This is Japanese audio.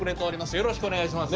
よろしくお願いします。